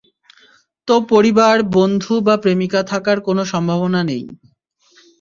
তো পরিবার, বন্ধু বা প্রেমিকা থাকার কোনো সম্ভাবনা নেই।